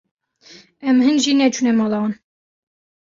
Em hîn jî neçûne mala wan.